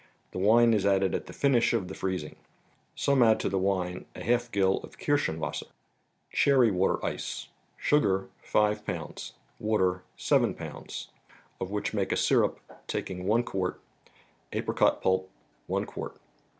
The wine is added at the finish of the freezing. Some add to the wine a half gill of Kirschenwcisser. Ctyerr? mater %tt. Sugar, 5 lb.; Water, 7 lb. Of which make a syrup, taking one quart; Apricot pulp, one quart.